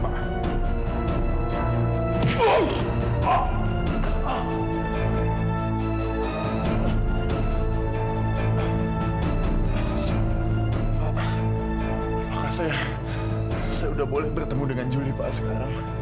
pak apakah saya sudah boleh bertemu dengan julie pak sekarang